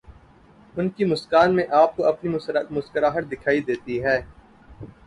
ان کی مسکان میں آپ کو اپنی مسکراہٹ دکھائی دیتی ہے۔